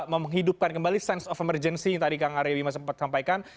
menghidupkan kembali sense of emergency yang tadi kang arya bima sempat sampaikan